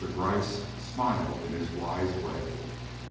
Gryce smiled in his wise way.